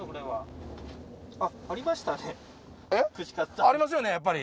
ありますよねやっぱり！